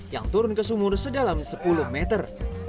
yang turun ke sumur sedalam sepuluh meter